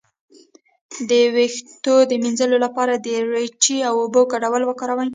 د ویښتو د مینځلو لپاره د ریټې او اوبو ګډول وکاروئ